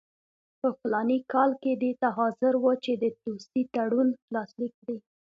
په فلاني کال کې دې ته حاضر وو چې د دوستۍ تړون لاسلیک کړي.